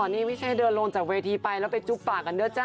นี่ไม่ใช่เดินลงจากเวทีไปแล้วไปจุ๊บปากกันด้วยจ้